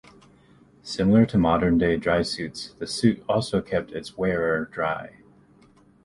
Similar to modern-day drysuits, the suit also kept its wearer dry.